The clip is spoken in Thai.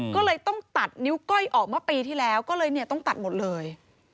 ก็เลยต้องตัดนิ้วก้อยออกมาปีที่แล้วก็เลยเนี่ยต้องตัดหมดเลย